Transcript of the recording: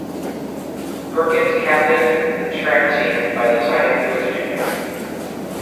Perkins captained the track team by the time he was a junior.